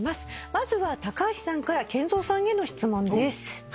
まずは橋さんからＫＥＮＺＯさんへの質問です。